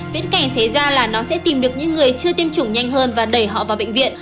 viễn cảnh xảy ra là nó sẽ tìm được những người chưa tiêm chủng nhanh hơn và đẩy họ vào bệnh viện